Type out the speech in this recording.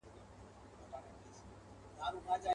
په ټالونو کي زنګېږم د فکرونو.